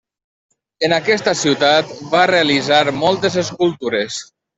En aquesta ciutat va realitzar moltes escultures.